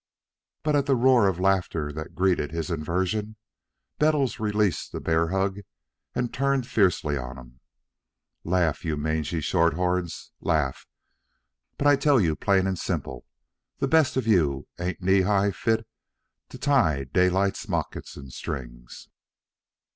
But at the roar of laughter that greeted his inversion, Bettles released the bear hug and turned fiercely on them. "Laugh, you mangy short horns, laugh! But I tell you plain and simple, the best of you ain't knee high fit to tie Daylight's moccasin strings.